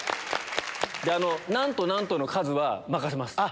「なんとなんと」の数は任せます。